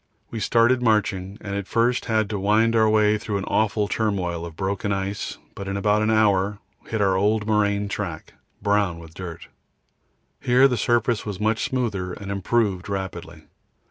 We started marching, and at first had to wind our way through an awful turmoil of broken ice, but in about an hour we hit an old moraine track, brown with dirt. Here the surface was much smoother and improved rapidly.